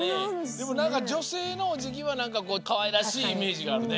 でもじょせいのおじぎはかわいらしいイメージがあるね。